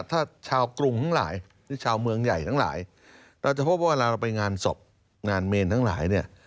ถ้าเช้ากรุงหลายหรือเช้าโรคมืองใหญ่ทั้งหลายเราจะพบว่าเวลาไปการเบรนด์ทั้งหลายเนี่ย